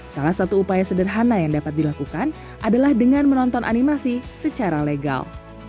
salah satu upaya sederhana yang dapat dilakukan adalah dengan menonton animasi secara legal